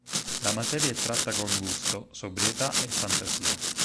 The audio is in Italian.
La materia è tratta con gusto, sobrietà e fantasia.